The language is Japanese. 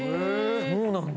そうなんだ。